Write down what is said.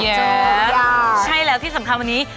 ใช่แล้วที่สำคัญวันนี้